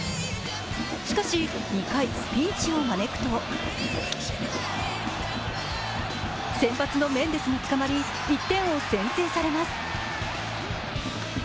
しかし、２回ピンチを招くと、先発のメンデスがつかまり１点を先制されます。